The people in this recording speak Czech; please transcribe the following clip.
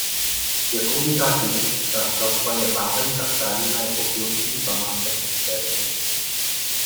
Jako unikátní technická stavba je vápenka chráněna jako kulturní památka České republiky.